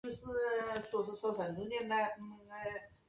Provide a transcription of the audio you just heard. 在今汉普郡的温切斯特。